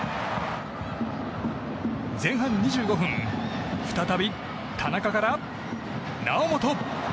前半２５分再び田中から、猶本！